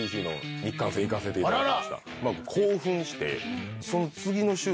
行かせていただきました。